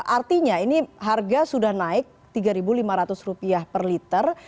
artinya ini harga sudah naik rp tiga lima ratus per liter